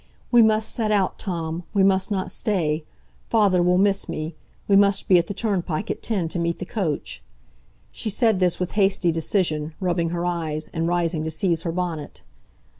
"We must set out, Tom, we must not stay. Father will miss me; we must be at the turnpike at ten to meet the coach." She said this with hasty decision, rubbing her eyes, and rising to seize her bonnet.